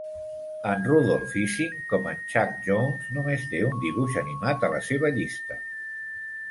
En Rudolf Ising, com en Chuck Jones, només té un dibuix animat a la seva llista.